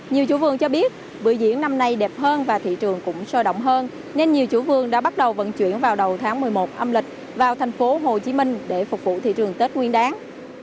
nhiều chủ vườn cho biết bữa diễn năm nay đẹp hơn và thị trường cũng sôi động hơn nên nhiều chủ vườn đã bắt đầu vận chuyển vào đầu tháng một mươi một âm lịch vào thành phố hồ chí minh để phục vụ thị trường tết nguyên đáng